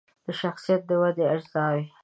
د شخصیت د ودې اجزاوې